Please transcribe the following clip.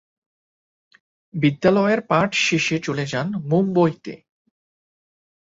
বিদ্যালয়ের পাঠ শেষে চলে যান মুম্বইতে।